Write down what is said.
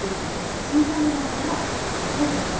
小さめの丸は上下２回。